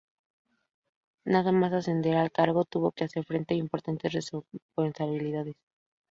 Nada más ascender al cargo, tuvo que hacer frente a importantes responsabilidades.